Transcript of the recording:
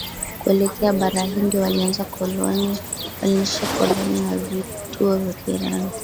Kuelekea bara hindi walianzisha koloni na vituo vya Kireno